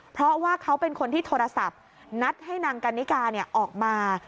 เพราะว่าเขาเป็นคนที่โทรศัพท์นัดให้นางกันนิกาออกมา